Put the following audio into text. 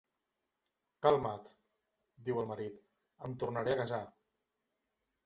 "Calma't", diu el marit, "em tornaré a casar".